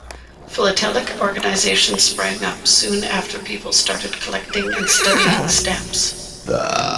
Philatelic organisations sprang up soon after people started collecting and studying stamps.